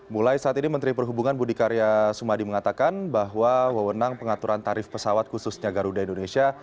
mulai saat ini menteri perhubungan budi karya sumadi mengatakan bahwa wewenang pengaturan tarif pesawat khususnya garuda indonesia